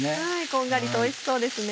こんがりとおいしそうですね。